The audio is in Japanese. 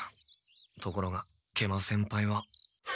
ところが食満先輩は。